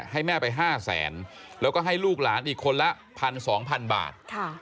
ให้แม่ไปห้าแสนแล้วก็ให้ลูกหลานอีกคนละพันสองพันบาทค่ะ